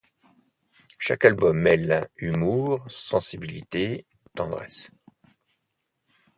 Chaque album mêle humour, sensibilité, tendresse.